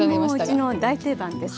もううちの大定番です。